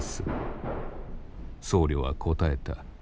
僧侶は答えた。